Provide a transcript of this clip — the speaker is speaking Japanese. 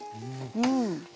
うん。